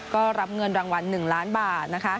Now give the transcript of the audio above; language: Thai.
ก็รับเงินรางวัล๑ล้านบาท